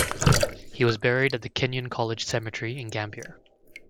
He was buried at the Kenyon College Cemetery in Gambier.